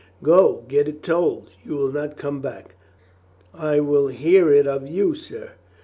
"Go, get it told. You will not come back." "I will hear it of you, sir."